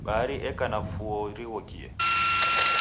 Bahari eka na fuo righokie.